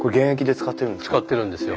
使ってるんですよ。